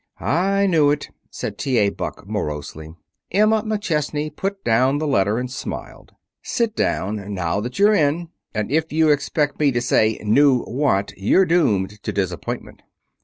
"I knew it," said T. A. Buck morosely. Emma McChesney put down the letter and smiled. "Sit down now that you're in. And if you expect me to say, 'Knew what?' you're doomed to disappointment."